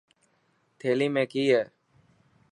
ٿيلي ۾ ڪئي هي.